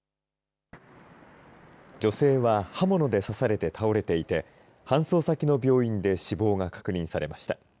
女性は刃物で刺されて倒れていて搬送先の病院で死亡が確認されました。